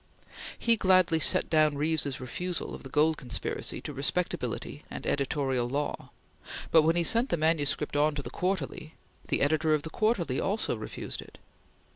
He gladly set down Reeve's refusal of the Gold Conspiracy to respectability and editorial law, but when he sent the manuscript on to the Quarterly, the editor of the Quarterly also refused it.